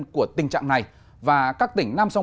chào các bạn